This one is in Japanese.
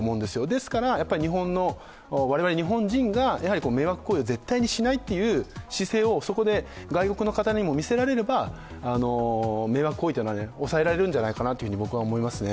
ですから、我々日本人が迷惑行為を絶対しないという姿勢をそこで外国の方にも見せられれば迷惑行為は抑えられるんじゃないかなと僕は思いますね。